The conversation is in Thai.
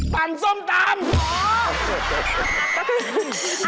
ปั่นส้มตำ